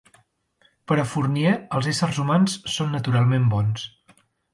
Per a Fourier, els éssers humans són naturalment bons.